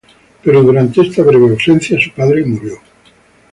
Pero durante esta breve ausencia, su padre murió.